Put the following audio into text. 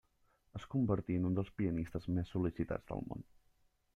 Es convertí en un dels pianistes més sol·licitats del món.